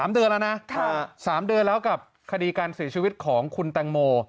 ๓เดือนแล้วนะ๓เดือนแล้วกับคดีการเสียชีวิตของคุณแตงโม